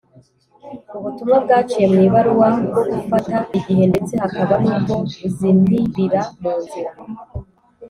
ubutumwa bwaciye mu ibaruwa bwo bufata igihe ndetse hakaba n’ubwo buzimirira mu nzira